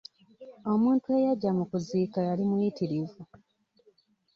Omuntu eyajja mu kuziika yali muyitirivu.